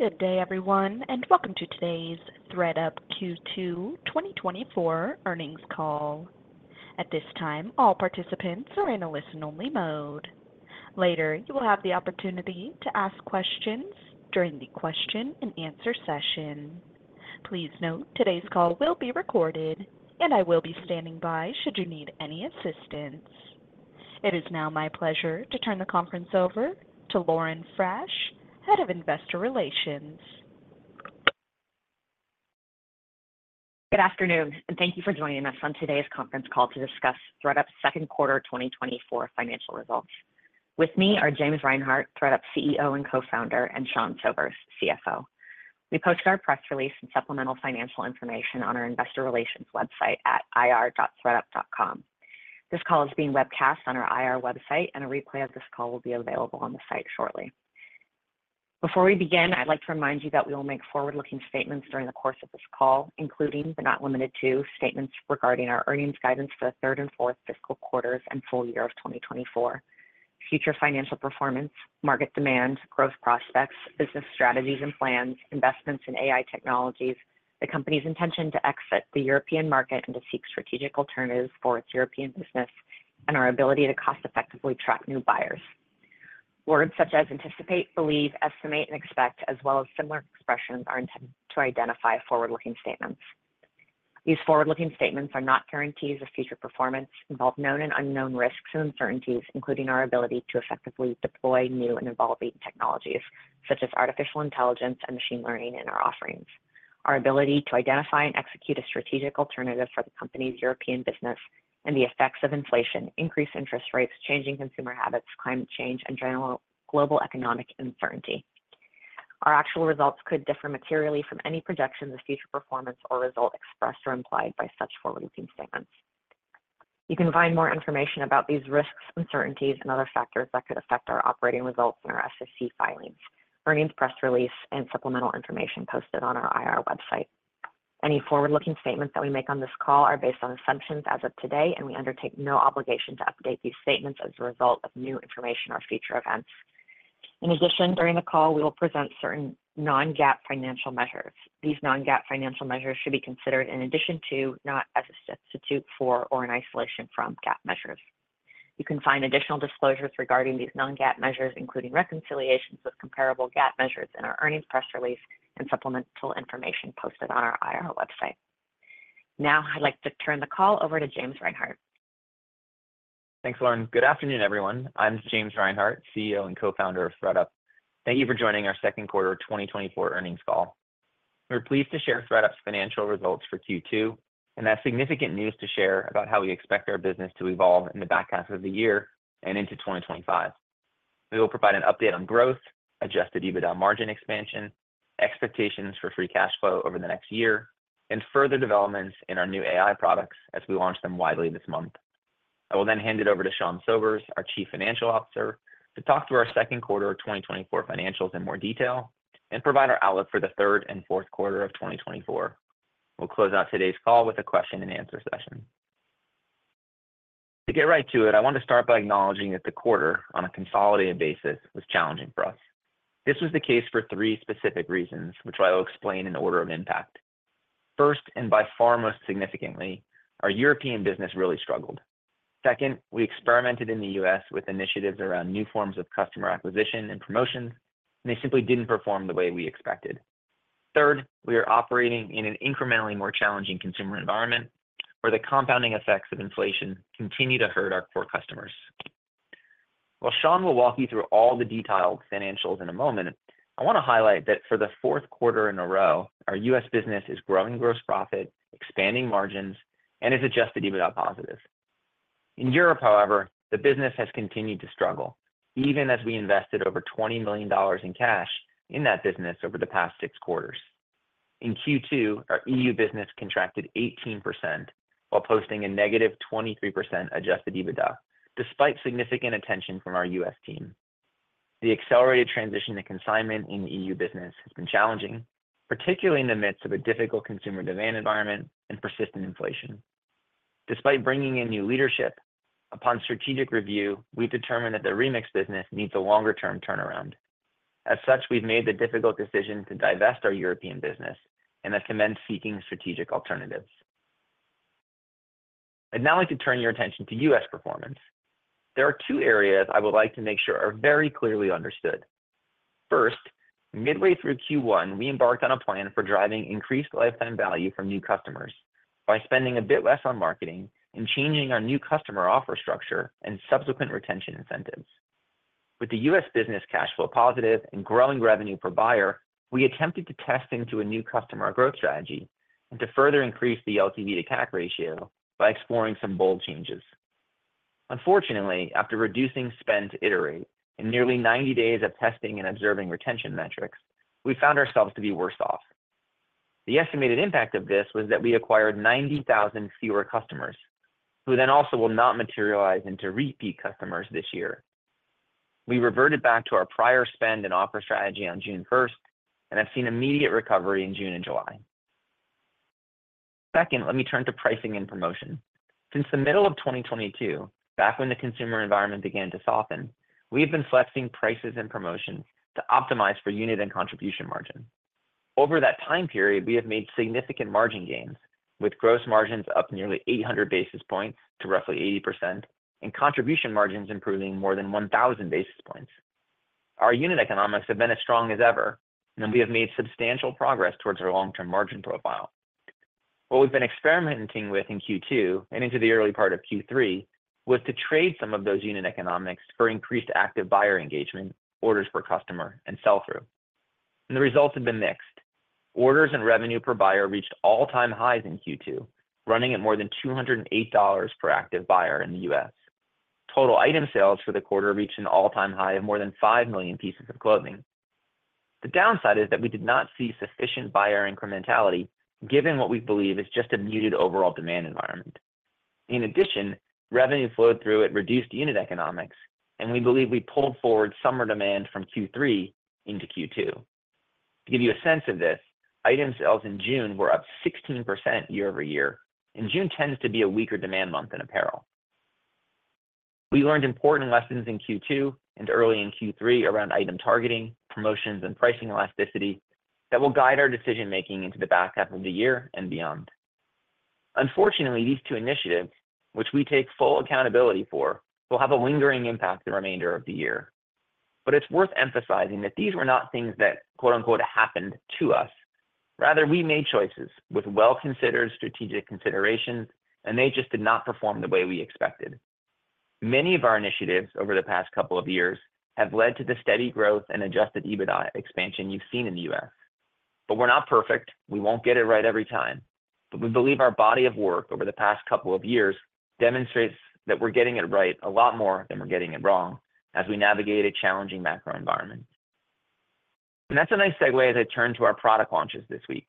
Good day, everyone, and welcome to today's ThredUp Q2 2024 Earnings Call. At this time, all participants are in a listen-only mode. Later, you will have the opportunity to ask questions during the question and answer session. Please note today's call will be recorded, and I will be standing by should you need any assistance. It is now my pleasure to turn the conference over to Lauren Frasch, Head of Investor Relations. Good afternoon, and thank you for joining us on today's conference call to discuss ThredUp's Second Quarter 2024 Financial Results. With me are James Reinhart, ThredUp's CEO and Co-founder, and Sean Sobers, CFO. We posted our press release and supplemental financial information on our investor relations website at ir.thredup.com. This call is being webcast on our IR website, and a replay of this call will be available on the site shortly. Before we begin, I'd like to remind you that we will make forward-looking statements during the course of this call, including but not limited to, statements regarding our earnings guidance for the third and fourth fiscal quarters and full year of 2024, future financial performance, market demand, growth prospects, business strategies and plans, investments in AI technologies, the company's intention to exit the European market and to seek strategic alternatives for its European business, and our ability to cost-effectively attract new buyers. Words such as anticipate, believe, estimate, and expect, as well as similar expressions, are intended to identify forward-looking statements. These forward-looking statements are not guarantees of future performance, involve known and unknown risks and uncertainties, including our ability to effectively deploy new and evolving technologies, such as artificial intelligence and machine learning in our offerings. Our ability to identify and execute a strategic alternative for the company's European business and the effects of inflation, increased interest rates, changing consumer habits, climate change, and general global economic uncertainty. Our actual results could differ materially from any projections of future performance or results expressed or implied by such forward-looking statements. You can find more information about these risks, uncertainties, and other factors that could affect our operating results in our SEC filings, earnings press release, and supplemental information posted on our IR website. Any forward-looking statements that we make on this call are based on assumptions as of today, and we undertake no obligation to update these statements as a result of new information or future events. In addition, during the call, we will present certain non-GAAP financial measures. These non-GAAP financial measures should be considered in addition to, not as a substitute for, or in isolation from GAAP measures. You can find additional disclosures regarding these non-GAAP measures, including reconciliations with comparable GAAP measures, in our earnings press release and supplemental information posted on our IR website. Now I'd like to turn the call over to James Reinhart. Thanks, Lauren. Good afternoon, everyone. I'm James Reinhart, CEO and Co-founder of ThredUp. Thank you for joining our second quarter of 2024 earnings call. We're pleased to share ThredUp's financial results for Q2, and have significant news to share about how we expect our business to evolve in the back half of the year and into 2025. We will provide an update on growth, adjusted EBITDA margin expansion, expectations for free cash flow over the next year, and further developments in our new AI products as we launch them widely this month. I will then hand it over to Sean Sobers, our Chief Financial Officer, to talk through our second quarter of 2024 financials in more detail and provide our outlook for the third and fourth quarter of 2024. We'll close out today's call with a question and answer session. To get right to it, I want to start by acknowledging that the quarter, on a consolidated basis, was challenging for us. This was the case for three specific reasons, which I will explain in the order of impact. First, and by far most significantly, our European business really struggled. Second, we experimented in the U.S. with initiatives around new forms of customer acquisition and promotions, and they simply didn't perform the way we expected. Third, we are operating in an incrementally more challenging consumer environment, where the compounding effects of inflation continue to hurt our core customers. While Sean will walk you through all the detailed financials in a moment, I want to highlight that for the fourth quarter in a row, our U.S. business is growing gross profit, expanding margins, and is Adjusted EBITDA positive. In Europe, however, the business has continued to struggle, even as we invested over $20 million in cash in that business over the past six quarters. In Q2, our EU business contracted 18% while posting a -23% adjusted EBITDA, despite significant attention from our US team. The accelerated transition to consignment in the EU business has been challenging, particularly in the midst of a difficult consumer demand environment and persistent inflation. Despite bringing in new leadership, upon strategic review, we've determined that the Remix business needs a longer-term turnaround. As such, we've made the difficult decision to divest our European business and have commenced seeking strategic alternatives. I'd now like to turn your attention to U.S. performance. There are two areas I would like to make sure are very clearly understood. First, midway through Q1, we embarked on a plan for driving increased lifetime value from new customers by spending a bit less on marketing and changing our new customer offer structure and subsequent retention incentives. With the U.S. business cash flow positive and growing revenue per buyer, we attempted to test into a new customer growth strategy and to further increase the LTV to CAC ratio by exploring some bold changes. Unfortunately, after reducing spend to iterate and nearly 90 days of testing and observing retention metrics, we found ourselves to be worse off. The estimated impact of this was that we acquired 90,000 fewer customers, who then also will not materialize into repeat customers this year. We reverted back to our prior spend and offer strategy on June 1st and have seen immediate recovery in June and July. Second, let me turn to pricing and promotion. Since the middle of 2022, back when the consumer environment began to soften, we have been flexing prices and promotions to optimize for unit and contribution margin. Over that time period, we have made significant margin gains, with gross margins up nearly 800 basis points to roughly 80%, and contribution margins improving more than 1,000 basis points. Our unit economics have been as strong as ever, and we have made substantial progress towards our long-term margin profile. What we've been experimenting with in Q2 and into the early part of Q3, was to trade some of those unit economics for increased active buyer engagement, orders per customer, and sell-through. The results have been mixed. Orders and revenue per buyer reached all-time highs in Q2, running at more than $208 per active buyer in the U.S. Total item sales for the quarter reached an all-time high of more than 5 million pieces of clothing. The downside is that we did not see sufficient buyer incrementality, given what we believe is just a muted overall demand environment. In addition, revenue flowed through at reduced unit economics, and we believe we pulled forward summer demand from Q3 into Q2. To give you a sense of this, item sales in June were up 16% year-over-year, and June tends to be a weaker demand month in apparel. We learned important lessons in Q2 and early in Q3 around item targeting, promotions, and pricing elasticity that will guide our decision-making into the back half of the year and beyond. Unfortunately, these two initiatives, which we take full accountability for, will have a lingering impact the remainder of the year. But it's worth emphasizing that these were not things that, quote-unquote, "happened to us." Rather, we made choices with well-considered strategic considerations, and they just did not perform the way we expected. Many of our initiatives over the past couple of years have led to the steady growth and Adjusted EBITDA expansion you've seen in the U.S. But we're not perfect. We won't get it right every time, but we believe our body of work over the past couple of years demonstrates that we're getting it right a lot more than we're getting it wrong as we navigate a challenging macro environment. And that's a nice segue as I turn to our product launches this week.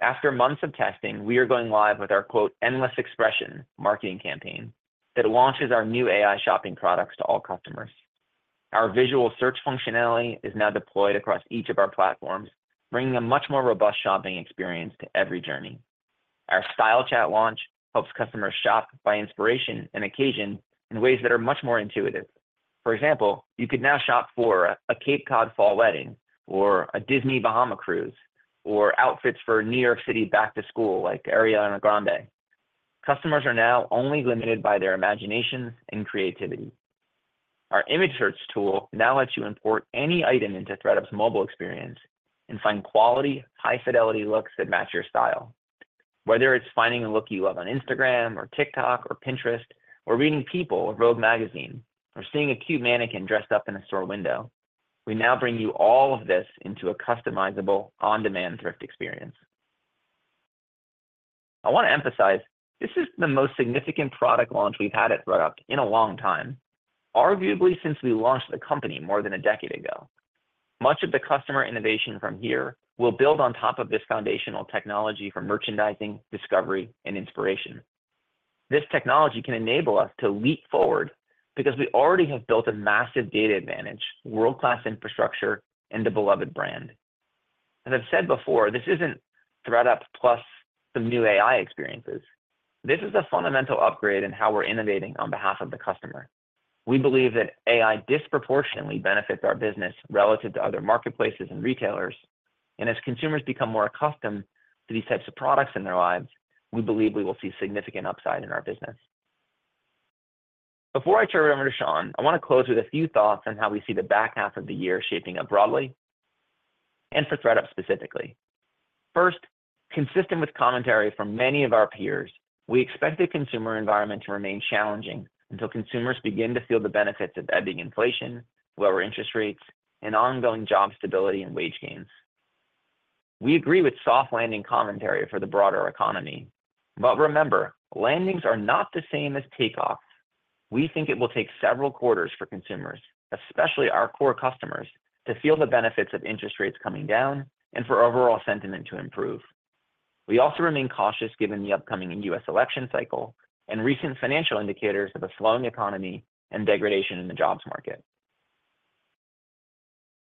After months of testing, we are going live with our "Endless Expression" marketing campaign that launches our new AI shopping products to all customers. Our visual search functionality is now deployed across each of our platforms, bringing a much more robust shopping experience to every journey. Our Style Chat launch helps customers shop by inspiration and occasion in ways that are much more intuitive. For example, you could now shop for a Cape Cod fall wedding, or a Disney Bahamas cruise, or outfits for a New York City back to school like Ariana Grande. Customers are now only limited by their imagination and creativity. Our image search tool now lets you import any item into ThredUp's mobile experience and find quality, high-fidelity looks that match your style. Whether it's finding a look you love on Instagram, or TikTok, or Pinterest, or reading People or Vogue magazine, or seeing a cute mannequin dressed up in a store window, we now bring you all of this into a customizable, on-demand thrift experience. I want to emphasize, this is the most significant product launch we've had at ThredUp in a long time, arguably since we launched the company more than a decade ago. Much of the customer innovation from here will build on top of this foundational technology for merchandising, discovery, and inspiration. This technology can enable us to leap forward because we already have built a massive data advantage, world-class infrastructure, and a beloved brand. As I've said before, this isn't ThredUp plus some new AI experiences. This is a fundamental upgrade in how we're innovating on behalf of the customer. We believe that AI disproportionately benefits our business relative to other marketplaces and retailers, and as consumers become more accustomed to these types of products in their lives, we believe we will see significant upside in our business. Before I turn it over to Sean, I want to close with a few thoughts on how we see the back half of the year shaping up broadly and for ThredUp specifically. First, consistent with commentary from many of our peers, we expect the consumer environment to remain challenging until consumers begin to feel the benefits of ebbing inflation, lower interest rates, and ongoing job stability and wage gains. We agree with soft landing commentary for the broader economy, but remember, landings are not the same as takeoffs. We think it will take several quarters for consumers, especially our core customers, to feel the benefits of interest rates coming down and for overall sentiment to improve. We also remain cautious given the upcoming U.S. election cycle and recent financial indicators of a slowing economy and degradation in the jobs market.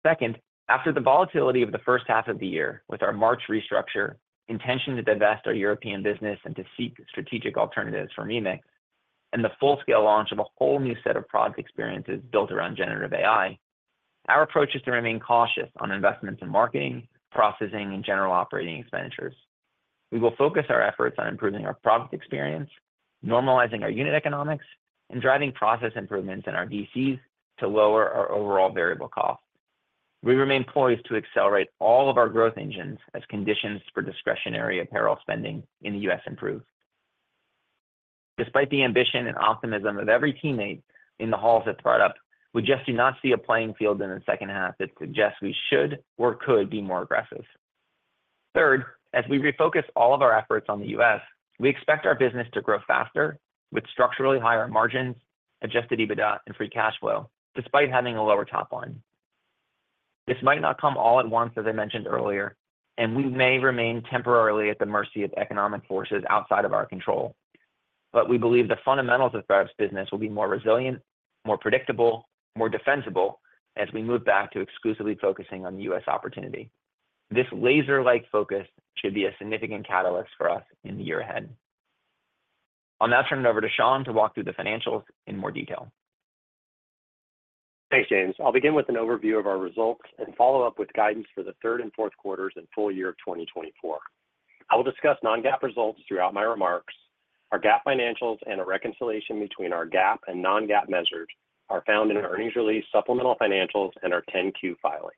Second, after the volatility of the first half of the year with our March restructure, intention to divest our European business and to seek strategic alternatives for Remix, and the full-scale launch of a whole new set of product experiences built around generative AI, our approach is to remain cautious on investments in marketing, processing, and general operating expenditures. We will focus our efforts on improving our product experience, normalizing our unit economics, and driving process improvements in our DCs to lower our overall variable cost. We remain poised to accelerate all of our growth engines as conditions for discretionary apparel spending in the U.S. improve. Despite the ambition and optimism of every teammate in the halls at ThredUp, we just do not see a playing field in the second half that suggests we should or could be more aggressive. Third, as we refocus all of our efforts on the U.S., we expect our business to grow faster with structurally higher margins, Adjusted EBITDA, and free cash flow, despite having a lower top line. This might not come all at once, as I mentioned earlier, and we may remain temporarily at the mercy of economic forces outside of our control... But we believe the fundamentals of ThredUp's business will be more resilient, more predictable, more defensible as we move back to exclusively focusing on the U.S. opportunity. This laser-like focus should be a significant catalyst for us in the year ahead. I'll now turn it over to Sean to walk through the financials in more detail. Thanks, James. I'll begin with an overview of our results and follow up with guidance for the third and fourth quarters and full year of 2024. I will discuss non-GAAP results throughout my remarks. Our GAAP financials and a reconciliation between our GAAP and non-GAAP measures are found in our earnings release, supplemental financials, and our 10-Q filing.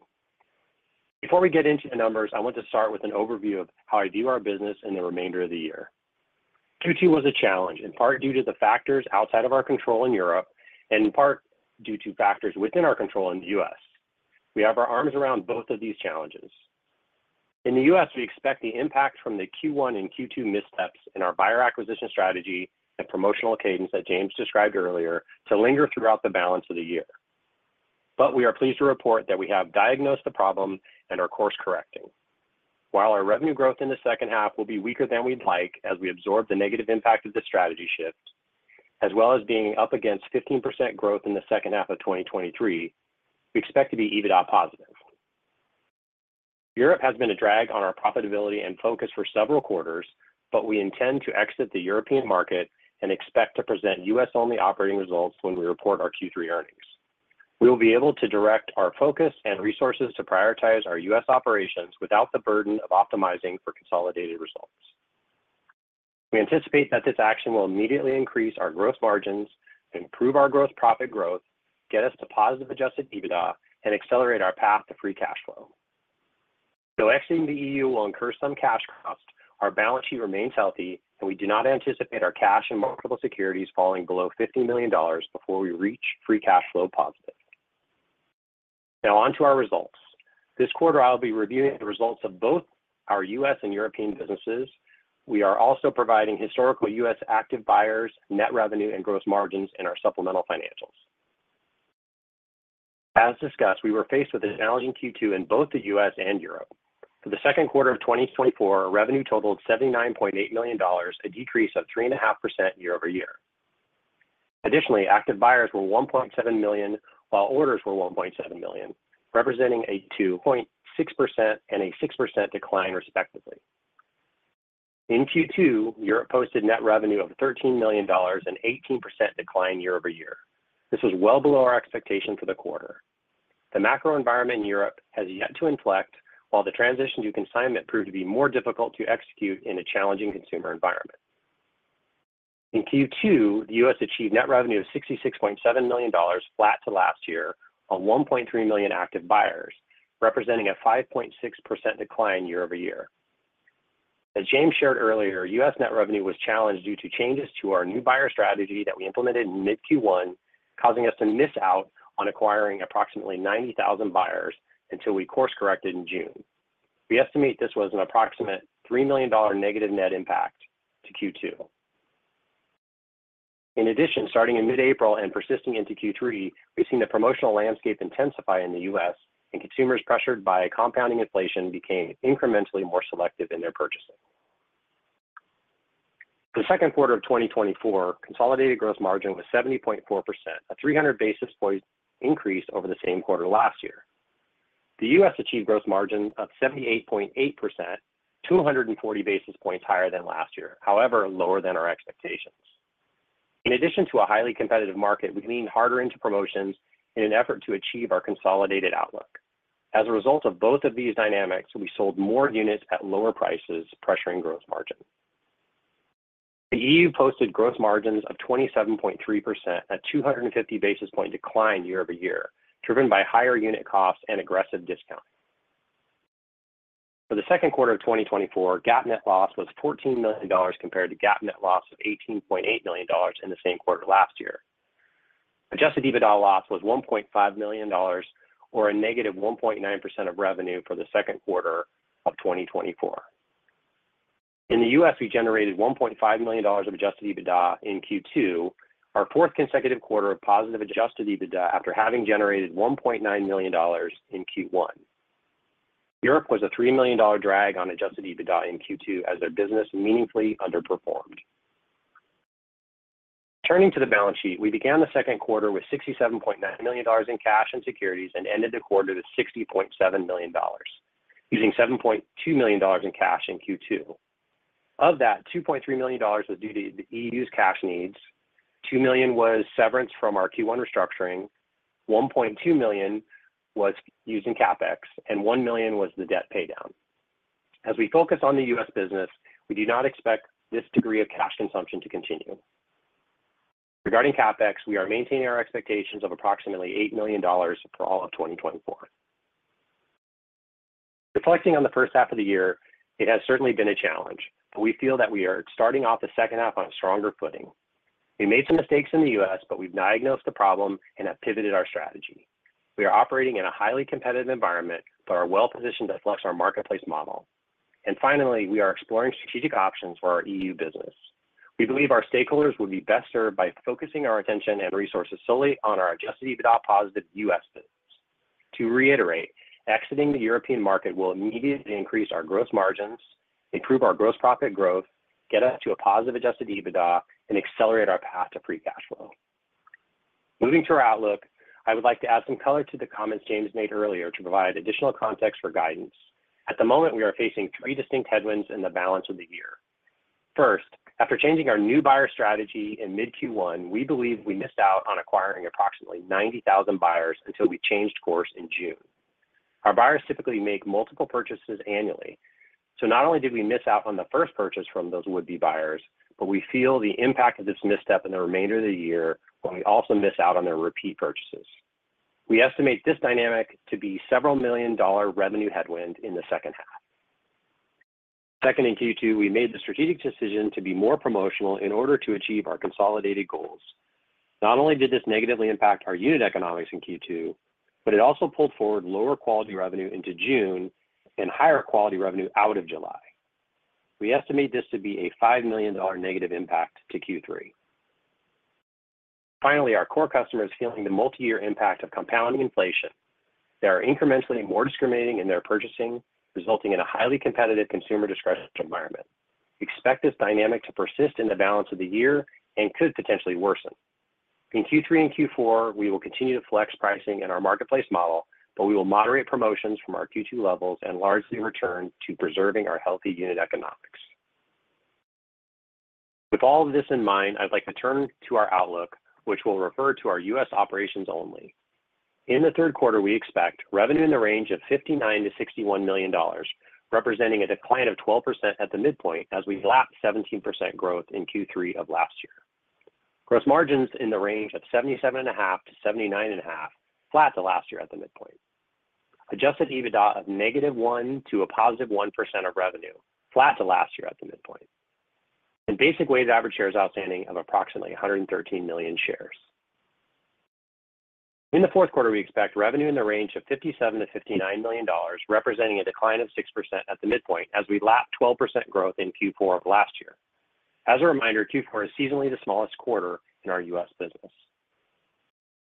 Before we get into the numbers, I want to start with an overview of how I view our business in the remainder of the year. Q2 was a challenge, in part due to the factors outside of our control in Europe and in part due to factors within our control in the U.S. We have our arms around both of these challenges. In the U.S., we expect the impact from the Q1 and Q2 missteps in our buyer acquisition strategy and promotional cadence that James described earlier, to linger throughout the balance of the year. But we are pleased to report that we have diagnosed the problem and are course-correcting. While our revenue growth in the second half will be weaker than we'd like as we absorb the negative impact of the strategy shift, as well as being up against 15% growth in the second half of 2023, we expect to be EBITDA positive. Europe has been a drag on our profitability and focus for several quarters, but we intend to exit the European market and expect to present U.S.-only operating results when we report our Q3 earnings. We will be able to direct our focus and resources to prioritize our U.S. operations without the burden of optimizing for consolidated results. We anticipate that this action will immediately increase our gross margins, improve our gross profit growth, get us to positive adjusted EBITDA, and accelerate our path to free cash flow. Though exiting the E.U. will incur some cash costs, our balance sheet remains healthy, and we do not anticipate our cash and marketable securities falling below $50 million before we reach free cash flow positive. Now on to our results. This quarter, I'll be reviewing the results of both our U.S. and European businesses. We are also providing historical U.S. active buyers, net revenue, and gross margins in our supplemental financials. As discussed, we were faced with a challenging Q2 in both the U.S. and Europe. For the second quarter of 2024, our revenue totaled $79.8 million, a decrease of 3.5% year-over-year. Additionally, active buyers were 1.7 million, while orders were 1.7 million, representing a 2.6% and a 6% decline, respectively. In Q2, Europe posted net revenue of $13 million, an 18% decline year-over-year. This was well below our expectation for the quarter. The macro environment in Europe has yet to inflect, while the transition to consignment proved to be more difficult to execute in a challenging consumer environment. In Q2, the U.S. achieved net revenue of $66.7 million, flat to last year, on 1.3 million active buyers, representing a 5.6% decline year-over-year. As James shared earlier, U.S. net revenue was challenged due to changes to our new buyer strategy that we implemented in mid Q1, causing us to miss out on acquiring approximately 90,000 buyers until we course-corrected in June. We estimate this was an approximate $3 million negative net impact to Q2. In addition, starting in mid-April and persisting into Q3, we've seen the promotional landscape intensify in the U.S., and consumers, pressured by compounding inflation, became incrementally more selective in their purchasing. For the second quarter of 2024, consolidated gross margin was 70.4%, a 300 basis point increase over the same quarter last year. The U.S. achieved gross margin of 78.8%, 240 basis points higher than last year, however, lower than our expectations. In addition to a highly competitive market, we leaned harder into promotions in an effort to achieve our consolidated outlook. As a result of both of these dynamics, we sold more units at lower prices, pressuring gross margin. The EU posted gross margins of 27.3%, a 250 basis point decline year-over-year, driven by higher unit costs and aggressive discounting. For the second quarter of 2024, GAAP net loss was $14 million, compared to GAAP net loss of $18.8 million in the same quarter last year. Adjusted EBITDA loss was $1.5 million or a -1.9% of revenue for the second quarter of 2024. In the US, we generated $1.5 million of adjusted EBITDA in Q2, our 4th consecutive quarter of positive adjusted EBITDA after having generated $1.9 million in Q1. Europe was a $3 million drag on adjusted EBITDA in Q2 as their business meaningfully underperformed. Turning to the balance sheet, we began the second quarter with $67.9 million in cash and securities, and ended the quarter with $60.7 million, using $7.2 million in cash in Q2. Of that, $2.3 million was due to the EU's cash needs, $2 million was severance from our Q1 restructuring, $1.2 million was used in CapEx, and $1 million was the debt paydown. As we focus on the U.S. business, we do not expect this degree of cash consumption to continue. Regarding CapEx, we are maintaining our expectations of approximately $8 million for all of 2024. Reflecting on the first half of the year, it has certainly been a challenge, but we feel that we are starting off the second half on a stronger footing. We made some mistakes in the U.S., but we've diagnosed the problem and have pivoted our strategy. We are operating in a highly competitive environment, but are well positioned to flex our marketplace model. And finally, we are exploring strategic options for our EU business. We believe our stakeholders would be best served by focusing our attention and resources solely on our Adjusted EBITDA positive U.S. business. To reiterate, exiting the European market will immediately increase our gross margins, improve our gross profit growth, get us to a positive Adjusted EBITDA, and accelerate our path to free cash flow. Moving to our outlook, I would like to add some color to the comments James made earlier to provide additional context for guidance. At the moment, we are facing three distinct headwinds in the balance of the year. First, after changing our new buyer strategy in mid Q1, we believe we missed out on acquiring approximately 90,000 buyers until we changed course in June. Our buyers typically make multiple purchases annually. So not only did we miss out on the first purchase from those would-be buyers, but we feel the impact of this misstep in the remainder of the year when we also miss out on their repeat purchases. We estimate this dynamic to be several million dollar revenue headwind in the second half. Second, in Q2, we made the strategic decision to be more promotional in order to achieve our consolidated goals. Not only did this negatively impact our unit economics in Q2, but it also pulled forward lower quality revenue into June and higher quality revenue out of July. We estimate this to be a $5 million negative impact to Q3. Finally, our core customer is feeling the multi-year impact of compounding inflation. They are incrementally more discriminating in their purchasing, resulting in a highly competitive consumer discretionary environment. We expect this dynamic to persist in the balance of the year and could potentially worsen. In Q3 and Q4, we will continue to flex pricing in our marketplace model, but we will moderate promotions from our Q2 levels and largely return to preserving our healthy unit economics. With all of this in mind, I'd like to turn to our outlook, which will refer to our U.S. operations only. In the third quarter, we expect revenue in the range of $59 million-$61 million, representing a decline of 12% at the midpoint as we lap 17% growth in Q3 of last year. Gross margins in the range of 77.5%-79.5%, flat to last year at the midpoint. Adjusted EBITDA of -1% to +1% of revenue, flat to last year at the midpoint. Basic weighted average shares outstanding of approximately 113 million shares. In the fourth quarter, we expect revenue in the range of $57 million-$59 million, representing a decline of 6% at the midpoint as we lap 12% growth in Q4 of last year. As a reminder, Q4 is seasonally the smallest quarter in our U.S. business.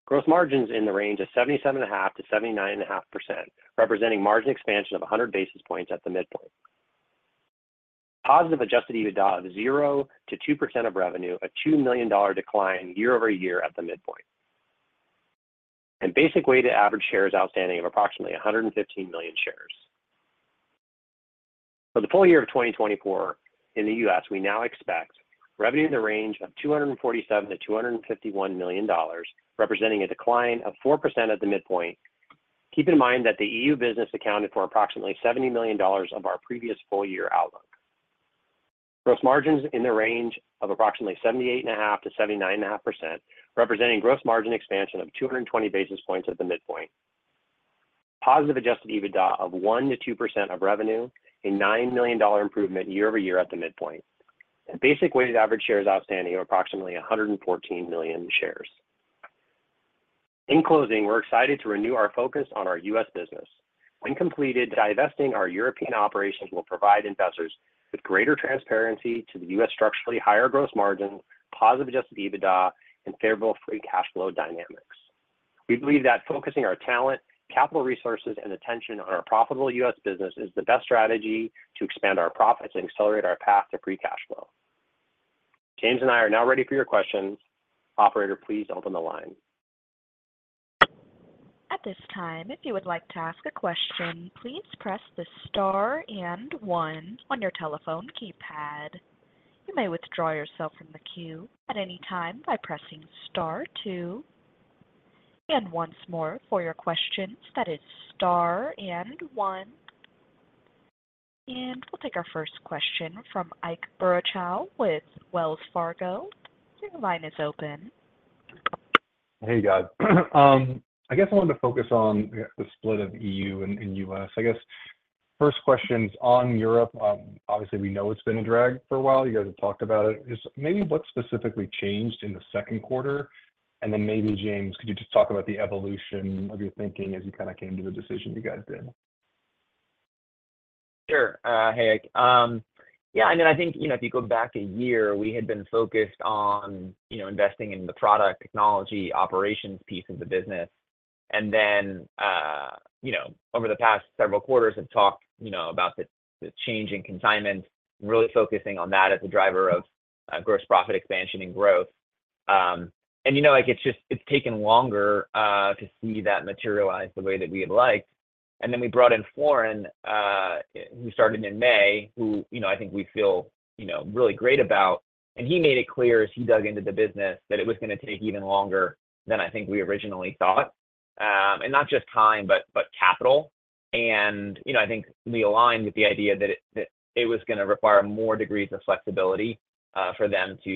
Gross margins in the range of 77.5%-79.5%, representing margin expansion of 100 basis points at the midpoint. Positive adjusted EBITDA of 0%-2% of revenue, a $2 million decline year-over-year at the midpoint. Basic weighted average shares outstanding of approximately 115 million shares. For the full year of 2024 in the U.S., we now expect revenue in the range of $247 million-$251 million, representing a decline of 4% at the midpoint. Keep in mind that the EU business accounted for approximately $70 million of our previous full year outlook. Gross margins in the range of approximately 78.5%-79.5%, representing gross margin expansion of 220 basis points at the midpoint. Positive Adjusted EBITDA of 1%-2% of revenue, a $9 million improvement year-over-year at the midpoint. Basic weighted average shares outstanding are approximately 114 million shares. In closing, we're excited to renew our focus on our U.S. business. When completed, divesting our European operations will provide investors with greater transparency to the U.S. structurally higher gross margin, positive Adjusted EBITDA, and favorable free cash flow dynamics. We believe that focusing our talent, capital resources, and attention on our profitable U.S. business is the best strategy to expand our profits and accelerate our path to free cash flow. James and I are now ready for your questions. Operator, please open the line. At this time, if you would like to ask a question, please press the star and one on your telephone keypad. You may withdraw yourself from the queue at any time by pressing star two. Once more, for your questions, that is star and one. We'll take our first question from Ike Boruchow with Wells Fargo. Your line is open. Hey, guys. I guess I wanted to focus on the split of EU and, and U.S.. I guess first question's on Europe. Obviously, we know it's been a drag for a while. You guys have talked about it. Just maybe what specifically changed in the second quarter, and then maybe, James, could you just talk about the evolution of your thinking as you kind of came to the decision you guys did? Sure. Hey, Ike. Yeah, I mean, I think, you know, if you go back a year, we had been focused on, you know, investing in the product, technology, operations piece of the business. And then, you know, over the past several quarters have talked, you know, about the change in consignment, really focusing on that as a driver of gross profit expansion and growth. And you know, like, it's just it's taken longer to see that materialize the way that we had liked. And then we brought in Florin, who started in May, who, you know, I think we feel, you know, really great about. And he made it clear as he dug into the business, that it was gonna take even longer than I think we originally thought, and not just time, but capital. And, you know, I think we aligned with the idea that it that it was gonna require more degrees of flexibility for them to,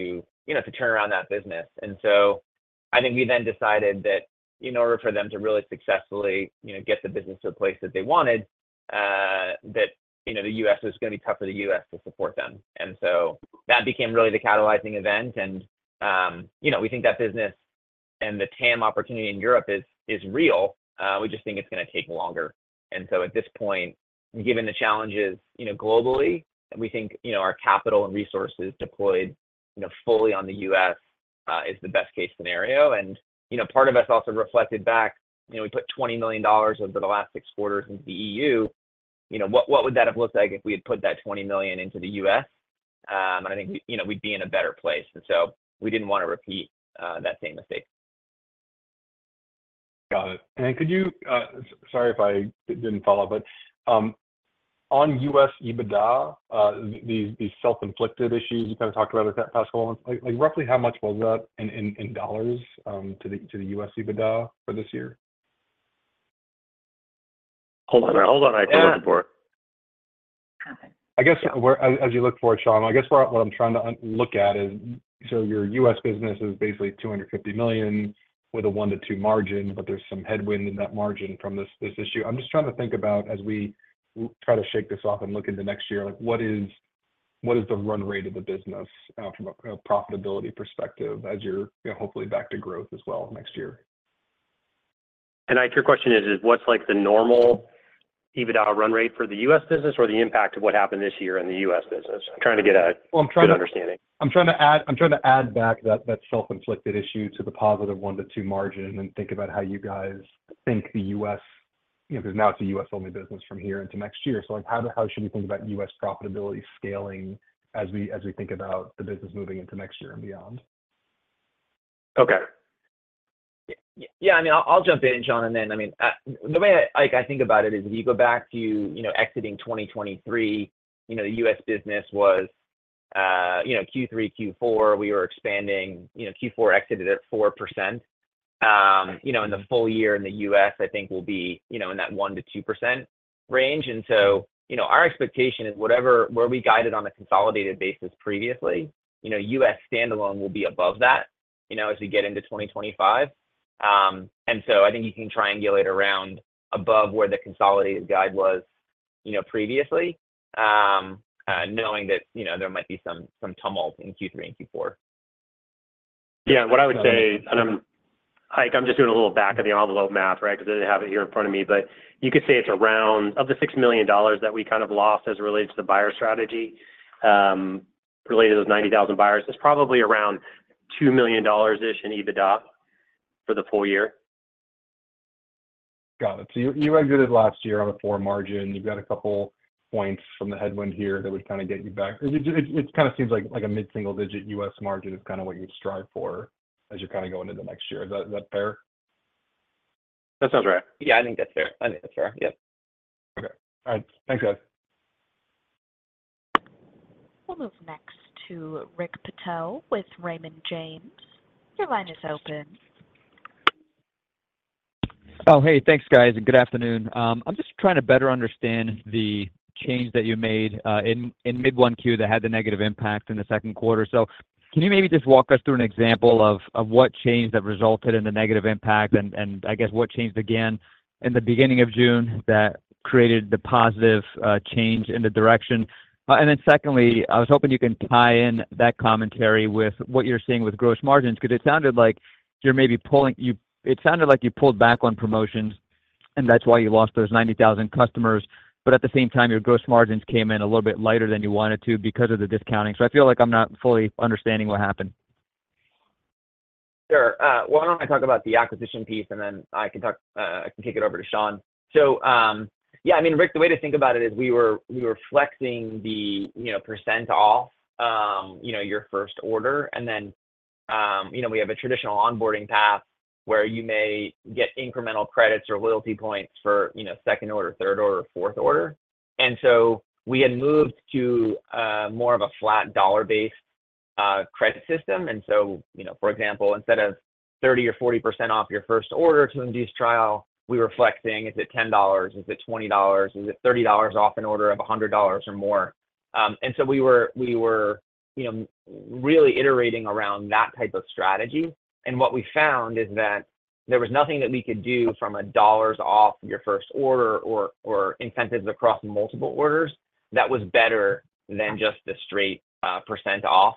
you know, to turn around that business. And so I think we then decided that in order for them to really successfully, you know, get the business to a place that they wanted, that, you know, the U.S. was gonna be tough for the U.S. to support them. And so that became really the catalyzing event. And, you know, we think that business and the TAM opportunity in Europe is real. We just think it's gonna take longer. And so at this point, given the challenges, you know, globally, we think, you know, our capital and resources deployed, you know, fully on the U.S. is the best case scenario. You know, part of us also reflected back, you know, we put $20 million over the last six quarters into the EU. You know, what, what would that have looked like if we had put that $20 million into the U.S.? And I think, you know, we'd be in a better place, and so we didn't want to repeat that same mistake. Got it. And could you, sorry if I didn't follow, but on U.S. EBITDA, the self-inflicted issues you kind of talked about in the past, like, roughly how much was that in dollars to the U.S. EBITDA for this year? Hold on, hold on. I'm looking for it. I guess, as you look for it, Sean, I guess what I'm trying to look at is, so your U.S. business is basically $250 million with a 1-2 margin, but there's some headwind in that margin from this, this issue. I'm just trying to think about, as we try to shake this off and look into next year, like, what is, what is the run rate of the business, from a, a profitability perspective, as you're, you know, hopefully back to growth as well next year? Ike, your question is, is what's like the normal EBITDA run rate for the U.S. business or the impact of what happened this year in the U.S. business? I'm trying to get a- Well, I'm trying to good understanding. I'm trying to add back that self-inflicted issue to the positive 1-2 margin and think about how you guys think the U.S. You know, because now it's a U.S.-only business from here into next year. So, like, how should we think about U.S. profitability scaling as we think about the business moving into next year and beyond? Okay. Yeah, I mean, I'll jump in, Sean, and then, I mean, the way I like I think about it is, if you go back to, you know, exiting 2023, you know, the U.S. business was, you know, Q3, Q4, we were expanding, you know, Q4 exited at 4%. You know, in the full year in the US, I think we'll be, you know, in that 1%-2% range. And so, you know, our expectation is where we guided on a consolidated basis previously, you know, US standalone will be above that, you know, as we get into 2025. And so I think you can triangulate around above where the consolidated guide was, you know, previously, knowing that, you know, there might be some tumult in Q3 and Q4. Yeah, what I would say, and I'm... Ike, I'm just doing a little back-of-the-envelope math, right? Because I didn't have it here in front of me. But you could say it's around, of the $6 million that we kind of lost as it relates to the buyer strategy, related to those 90,000 buyers, it's probably around $2 million-ish in EBITDA for the full year. Got it. So you, you exited last year on a 4 margin. You've got a couple points from the headwind here that would kind of get you back. It, it, it kind of seems like, like a mid-single-digit U.S. margin is kind of what you'd strive for as you're kind of going into next year. Is that, is that fair? That sounds right. Yeah, I think that's fair. I think that's fair, yep. Okay. All right. Thanks, guys. We'll move next to Rick Patel with Raymond James. Your line is open. Oh, hey, thanks, guys, and good afternoon. I'm just trying to better understand the change that you made in mid-Q1 that had the negative impact in the second quarter. So can you maybe just walk us through an example of what changed that resulted in the negative impact, and I guess what changed again in the beginning of June that created the positive change in the direction? And then secondly, I was hoping you can tie in that commentary with what you're seeing with gross margins, because it sounded like you're maybe pulling back on promotions, and that's why you lost those 90,000 customers. But at the same time, your gross margins came in a little bit lighter than you wanted to because of the discounting. I feel like I'm not fully understanding what happened. Sure. Why don't I talk about the acquisition piece, and then I can talk, I can kick it over to Sean? So, yeah, I mean, Rick, the way to think about it is we were, we were flexing the, you know, percent off, you know, your first order. And then, you know, we have a traditional onboarding path where you may get incremental credits or loyalty points for, you know, second order, third order, or 4th order. And so we had moved to, more of a flat dollar-based, credit system. And so, you know, for example, instead of 30% or 40% off your first order to induce trial, we were flexing, is it $10? Is it $20? Is it $30 off an order of $100 or more? So we were you know really iterating around that type of strategy. And what we found is that there was nothing that we could do from a dollars off your first order or incentives across multiple orders that was better than just the straight percent off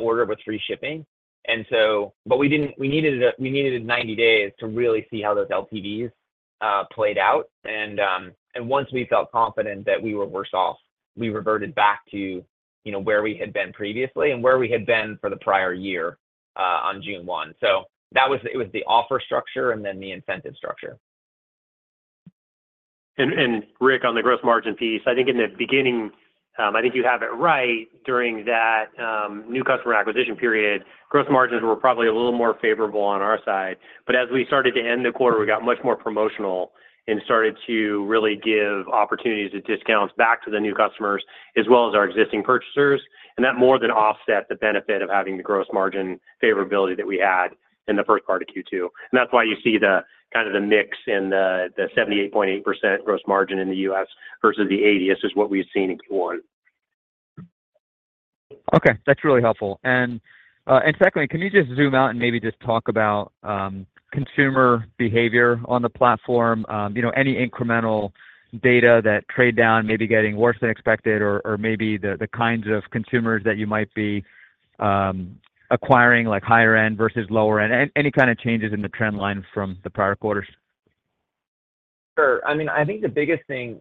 order with free shipping. And so but we didn't. We needed 90 days to really see how those LTVs played out. And once we felt confident that we were worse off, we reverted back to you know where we had been previously and where we had been for the prior year on June 1. So that was it was the offer structure and then the incentive structure. Rick, on the gross margin piece, I think in the beginning, I think you have it right. During that, new customer acquisition period, gross margins were probably a little more favorable on our side. But as we started to end the quarter, we got much more promotional and started to really give opportunities to discount back to the new customers as well as our existing purchasers, and that more than offset the benefit of having the gross margin favorability that we had in the first part of Q2. And that's why you see the kind of mix in the 78.8% gross margin in the U.S. versus the 80. This is what we've seen in Q1. Okay, that's really helpful. And, and secondly, can you just zoom out and maybe just talk about, consumer behavior on the platform? You know, any incremental data that trade down may be getting worse than expected or, or maybe the, the kinds of consumers that you might be, acquiring, like higher end versus lower end, any, any kind of changes in the trend line from the prior quarters? Sure. I mean, I think the biggest thing,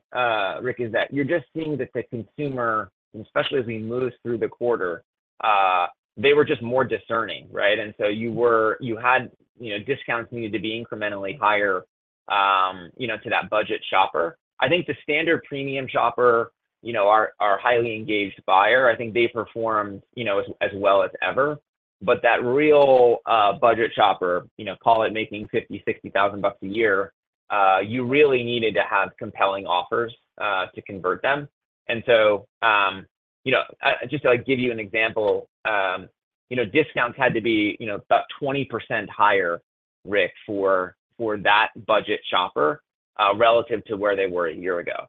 Rick, is that you're just seeing that the consumer, and especially as we move through the quarter, they were just more discerning, right? And so you had, you know, discounts needed to be incrementally higher, you know, to that budget shopper. I think the standard premium shopper, you know, our, our highly engaged buyer, I think they performed, you know, as, as well as ever. But that real, budget shopper, you know, call it making $50,000-$60,000 a year, you really needed to have compelling offers, to convert them. You know, just to, like, give you an example, you know, discounts had to be, you know, about 20% higher, Rick, for, for that budget shopper, relative to where they were a year ago,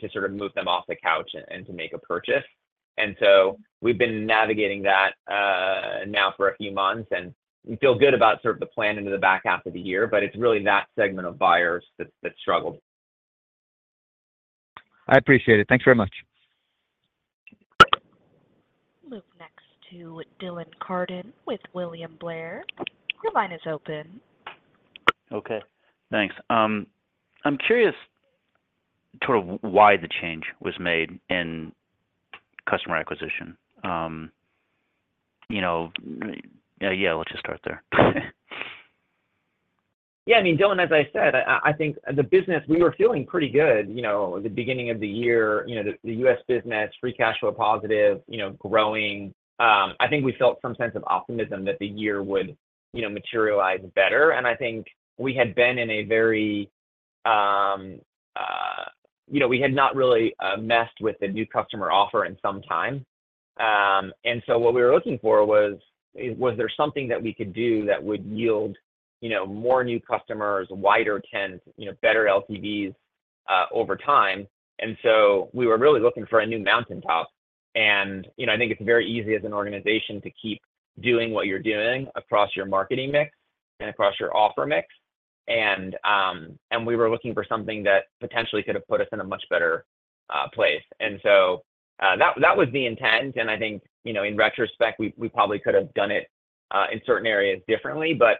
to sort of move them off the couch and, and to make a purchase. We've been navigating that, now for a few months, and we feel good about sort of the plan into the back half of the year, but it's really that segment of buyers that's, that struggled. I appreciate it. Thanks very much. We'll move next to Dylan Carden with William Blair. Your line is open. Okay, thanks. I'm curious to why the change was made in customer acquisition. You know, yeah, let's just start there. Yeah, I mean, Dylan, as I said, I think the business. We were feeling pretty good, you know, at the beginning of the year. You know, the U.S. business, free cash flow positive, you know, growing. I think we felt some sense of optimism that the year would, you know, materialize better, and I think we had been in a very... You know, we had not really messed with the new customer offer in some time. And so what we were looking for was there something that we could do that would yield, you know, more new customers, wider TAMs, you know, better LTVs over time? And so we were really looking for a new mountaintop. You know, I think it's very easy as an organization to keep doing what you're doing across your marketing mix and across your offer mix. We were looking for something that potentially could have put us in a much better place. So, that was the intent, and I think, you know, in retrospect, we probably could have done it in certain areas differently. But,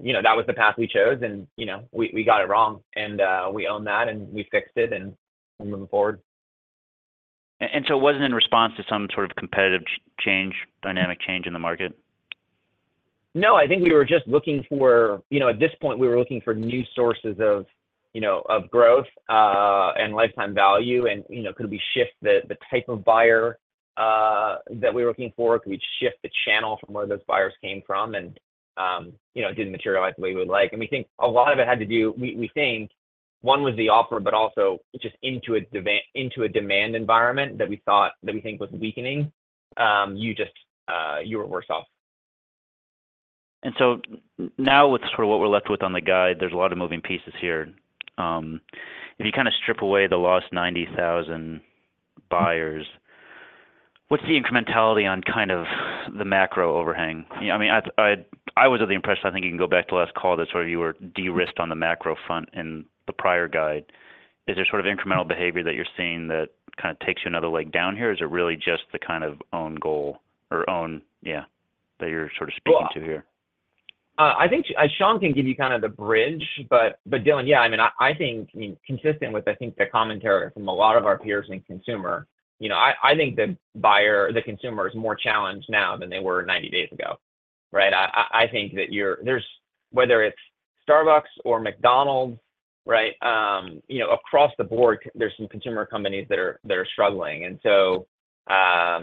you know, that was the path we chose, and, you know, we got it wrong, and we own that, and we fixed it, and we're moving forward. So it wasn't in response to some sort of competitive change, dynamic change in the market? No, I think we were just looking for. You know, at this point, we were looking for new sources of, you know, of growth, and lifetime value. And, you know, could we shift the type of buyer that we were looking for? Could we shift the channel from where those buyers came from? And, you know, it didn't materialize the way we would like. And we think a lot of it had to do we think one was the offer, but also just into a demand environment that we thought, that we think was weakening. You just, you were worse off. Now, with sort of what we're left with on the guide, there's a lot of moving pieces here. If you kind of strip away the last 90,000 buyers, what's the incrementality on kind of the macro overhang? You know, I mean, I was of the impression, I think you can go back to last call, that sort of you were de-risked on the macro front in the prior guide. Is there sort of incremental behavior that you're seeing that kind of takes you another leg down here, or is it really just the kind of own goal or own yeah, that you're sort of speaking to here? Well, I think Sean can give you kind of the bridge, but Dylan, yeah, I mean, I think, I mean, consistent with, I think, the commentary from a lot of our peers in consumer, you know, I think the buyer, the consumer is more challenged now than they were 90 days ago, right? I think that whether it's Starbucks or McDonald's, right, you know, across the board, there's some consumer companies that are struggling. And so I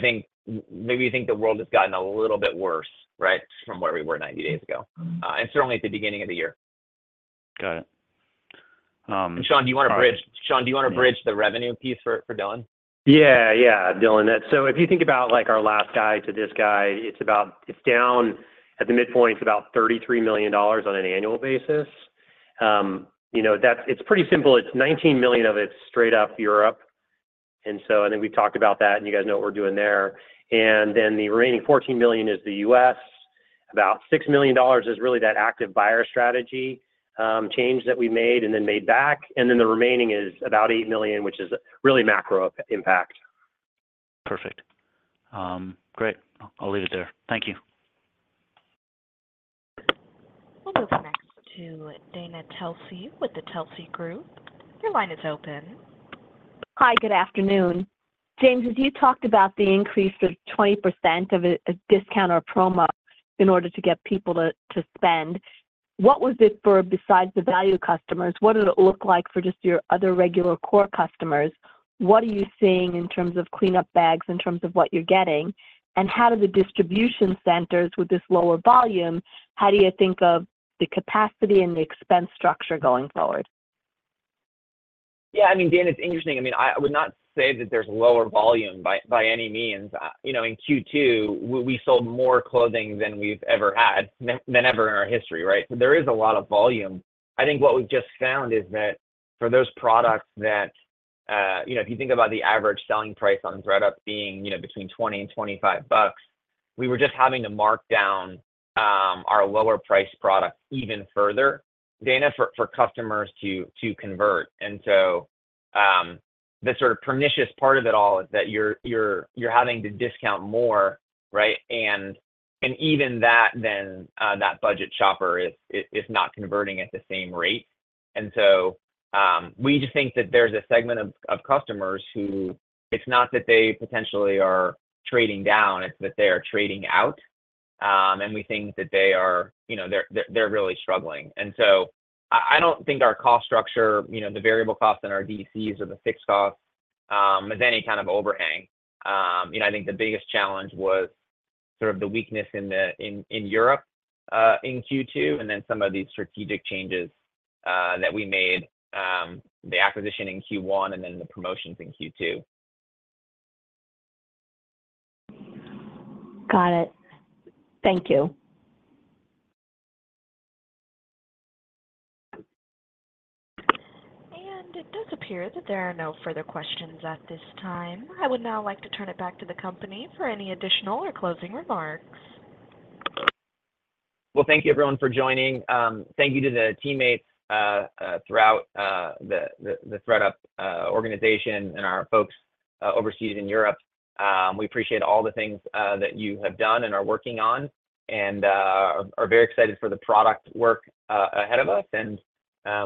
think maybe you think the world has gotten a little bit worse, right, from where we were 90 days ago, and certainly at the beginning of the year. Got it. Sean, do you want to bridge the revenue piece for Dylan? Yeah, yeah, Dylan. So if you think about, like, our last guide to this guide, it's about - it's down. At the midpoint, it's about $33 million on an annual basis. You know, that's - it's pretty simple. It's $19 million of it's straight up Europe, and so I think we've talked about that, and you guys know what we're doing there. And then the remaining $14 million is the U.S.. About $6 million is really that active buyer strategy change that we made and then made back, and then the remaining is about $8 million, which is really macro impact. Perfect. Great. I'll leave it there. Thank you. We'll move next to Dana Telsey with The Telsey Group. Your line is open. Hi, good afternoon. James, as you talked about the increase of 20% of a discount or promo in order to get people to spend, what was it for besides the value customers? What did it look like for just your other regular core customers? What are you seeing in terms of Clean Out Bags, in terms of what you're getting? And how do the distribution centers, with this lower volume, how do you think of the capacity and the expense structure going forward? Yeah, I mean, Dana, it's interesting. I mean, I would not say that there's lower volume by any means. You know, in Q2, we sold more clothing than we've ever had ever in our history, right? So there is a lot of volume. I think what we've just found is that for those products that, you know, if you think about the average selling price on ThredUp being, you know, between $20 and $25, we were just having to mark down our lower priced product even further, Dana, for customers to convert. And so, the sort of pernicious part of it all is that you're having to discount more, right? And even that then that budget shopper is not converting at the same rate. We just think that there's a segment of customers who it's not that they potentially are trading down, it's that they are trading out. We think that they are, you know, they're really struggling. I don't think our cost structure, you know, the variable costs in our DCs or the fixed costs is any kind of overhang. You know, I think the biggest challenge was sort of the weakness in Europe in Q2, and then some of these strategic changes that we made, the acquisition in Q1 and then the promotions in Q2. Got it. Thank you. It does appear that there are no further questions at this time. I would now like to turn it back to the company for any additional or closing remarks. Well, thank you, everyone, for joining. Thank you to the teammates throughout the ThredUp organization and our folks overseas in Europe. We appreciate all the things that you have done and are working on and are very excited for the product work ahead of us.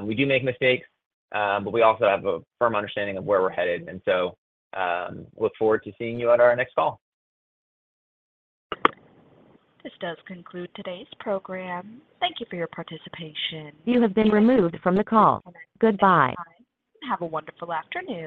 We do make mistakes, but we also have a firm understanding of where we're headed, and so look forward to seeing you at our next call. This does conclude today's program. Thank you for your participation. You have been removed from the call. Goodbye. Have a wonderful afternoon.